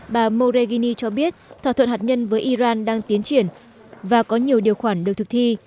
bà moregini cho biết thỏa thuận hạt nhân với iran đang tiến triển và có nhiều điều khoản được thực thi